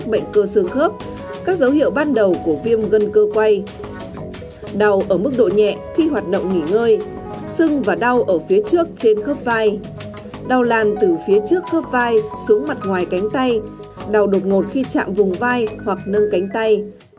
bệnh cơ xương khớp các dấu hiệu ban đầu của viêm gân cơ quay đau ở mức độ nhẹ khi hoạt động nghỉ ngơi sưng và đau ở phía trước trên khớp vai đau lan từ phía trước khớp vai xuống mặt ngoài cánh tay đau đột ngột khi chạm vùng vai hoặc nâng cánh tay